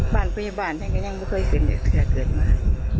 บ้านพยาบาลฉันก็ยังไม่ค่อยขึ้นแต่เกิดมา